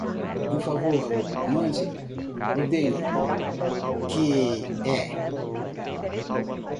Um favor? Mande, ordene, que é?